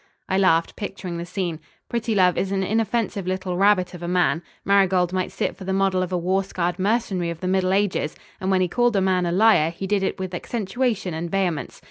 I laughed, picturing the scene. Prettilove is an inoffensive little rabbit of a man. Marigold might sit for the model of a war scarred mercenary of the middle ages, and when he called a man a liar he did it with accentuaton and vehemence.